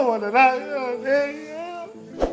yaudah yaudah yaudah